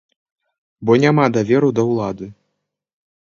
Бо няма даверу да ўлады.